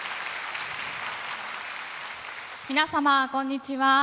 皆様こんにちは。